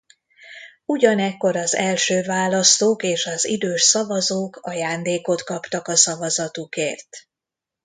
Ugyanekkor az első választók és az idős szavazók ajándékot kaptak a szavazatukért.